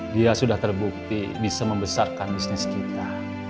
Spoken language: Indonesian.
dia sudah terbukti bisa membesarkan bisnis kita